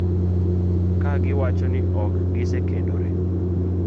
ka giwacho ni ok gisekendore.